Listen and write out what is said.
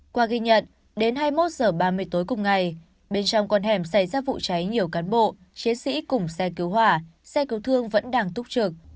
qua ghi nhận đến hai mươi một h ba mươi tối cùng ngày bên trong con hẻm xảy ra vụ cháy nhiều cán bộ chiến sĩ cùng xe cứu hỏa xe cứu thương vẫn đang túc trực